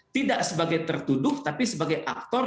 tidak sebagai tertuduh tapi sebagai aktor